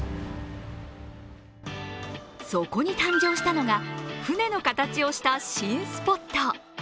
そこに誕生したのが船の形をした新スポット。